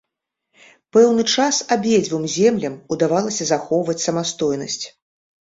Пэўны час абедзвюм землям удавалася захоўваць самастойнасць.